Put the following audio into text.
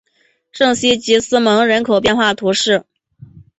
圣西吉斯蒙人口变化图示